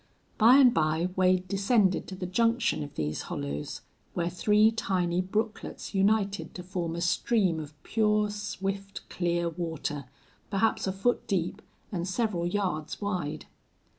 By and by Wade descended to the junction of these hollows, where three tiny brooklets united to form a stream of pure, swift, clear water, perhaps a foot deep and several yards wide.